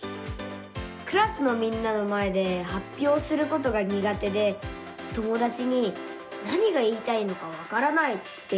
クラスのみんなの前ではっぴょうすることがにが手で友だちに「何が言いたいのかわからない」って言われちゃうんです。